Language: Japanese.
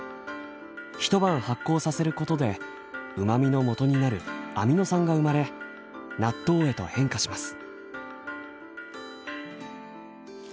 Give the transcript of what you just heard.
一晩発酵させることでうまみのもとになるアミノ酸が生まれ納豆へと変化します。